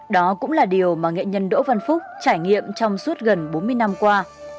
đó cũng là điều mà nghệ nhân đỗ văn phúc trải nghiệm trong suốt gần bốn mươi năm qua